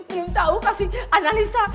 belum tahu kasih analisa